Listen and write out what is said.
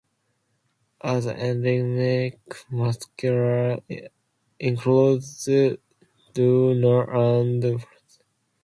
Other endemic marsupials include dunnarts and planigales.